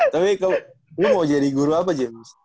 tapi kamu mau jadi guru apa james